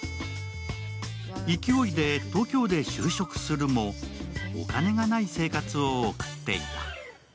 勢いで東京で就職するもお金がない生活を送っていた。